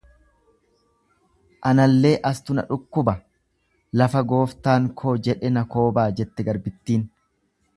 Anallee astu na dhukkuba, lafa gooftaan koo jedhe na koobaa jette garbittiin.